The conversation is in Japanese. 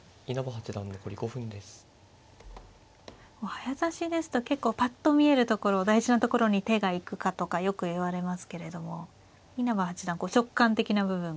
早指しですと結構ぱっと見えるところ大事なところに手が行くかとかよくいわれますけれども稲葉八段直感的な部分が。